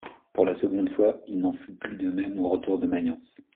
Pour la seconde fois, il n'en fut plus de même au retour de Mayence.